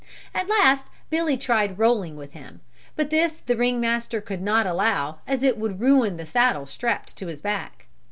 At last Billy tried rolling with him, but this the ring master could not allow as it would ruin the saddle strapped to his back.